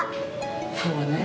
そうねえ。